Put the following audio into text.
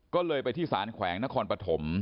ก็เลยไปที่สารแขวงนครปฐม